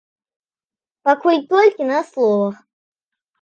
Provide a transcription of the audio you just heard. Пакуль толькі на словах.